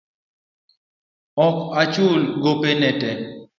Ok achul gopego te.